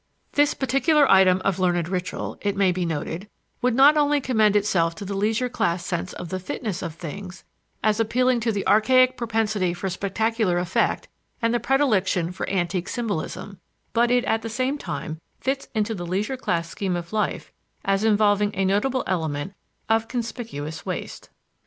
This particular item of learned ritual, it may be noted, would not only commend itself to the leisure class sense of the fitness of things, as appealing to the archaic propensity for spectacular effect and the predilection for antique symbolism; but it at the same time fits into the leisure class scheme of life as involving a notable element of conspicuous waste.